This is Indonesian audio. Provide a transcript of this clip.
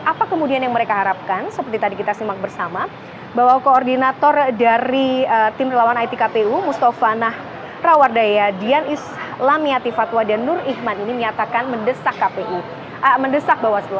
apa kemudian yang mereka harapkan seperti tadi kita simak bersama bahwa koordinator dari tim relawan itkpu mustafa nah rawardaya dian islamiyati fatwa dan nur ihman ini menyatakan mendesak bawaslu